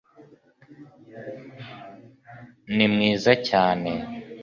ni mwiza cyane